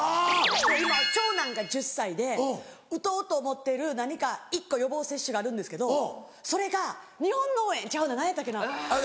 で今長男が１０歳で打とうと思ってる何か１個予防接種があるんですけどそれが日本脳炎ちゃうな何やったっけな？